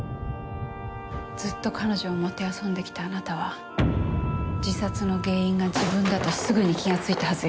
ずっと彼女をもてあそんできたあなたは自殺の原因が自分だとすぐに気がついたはずよ。